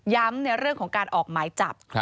ในเรื่องของการออกหมายจับ